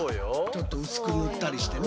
ちょっと薄く塗ったりしてね。